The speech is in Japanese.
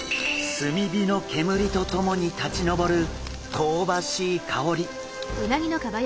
炭火の煙とともに立ちのぼる香ばしい香り。